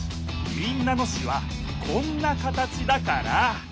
民奈野市はこんな形だから。